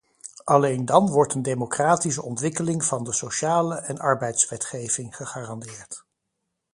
Alleen dan wordt een democratische ontwikkeling van de sociale en arbeidswetgeving gegarandeerd.